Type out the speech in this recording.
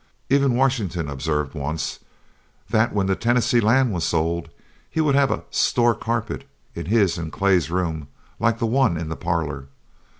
Even Washington observed, once, that when the Tennessee Land was sold he would have a "store" carpet in his and Clay's room like the one in the parlor.